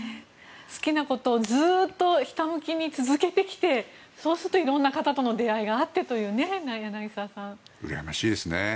好きなことをずっとひたむきに続けてきてそうすると、いろいろな方との出会いがあってというねうらやましいですね。